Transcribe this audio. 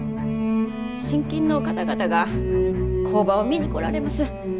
信金の方々が工場を見に来られます。